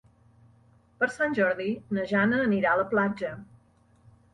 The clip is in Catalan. Per Sant Jordi na Jana anirà a la platja.